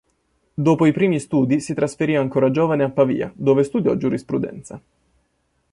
Dopo i primi studi si trasferì ancora giovane a Pavia dove studiò giurisprudenza.